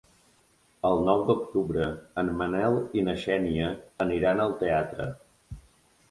El nou d'octubre en Manel i na Xènia aniran al teatre.